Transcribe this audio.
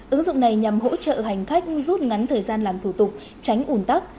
ứng dụng này nhằm hỗ trợ hành khách rút ngắn thời gian làm thủ tục tránh ủn tắc